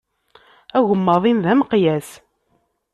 Agemmaḍ-in d ameqyas.